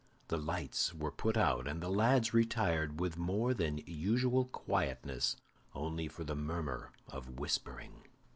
The lights were put out, and the lads retired with more than usual quietness, only for the murmur of whispering.